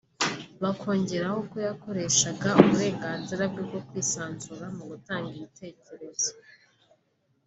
bakongeraho ko yakoreshaga uburenganzira bwe bwo kwisanzura mu gutanga ibitekerezo